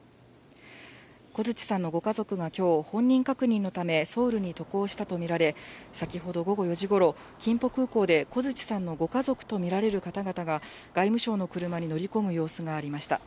コヅチさんのご家族がきょう、本人確認のため、ソウルに渡航したとみられ、先ほど午後４時ごろ、キンポ空港でコヅチさんのご家族と見られる方々が、外務省の車に乗り込む様子が見られました。